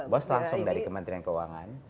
bos langsung dari kementerian keuangan